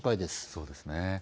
そうですね。